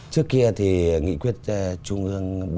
trước kia thì nghị quyết trung ương bốn